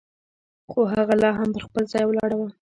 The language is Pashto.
خو هغه لا هم پر خپل ځای ولاړه وه.